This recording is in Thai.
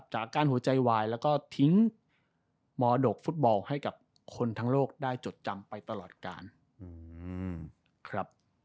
อาการหัวใจวายแล้วก็ทิ้งมรดกฟุตบอลให้กับคนทั้งโลกได้จดจำไปตลอดการครับ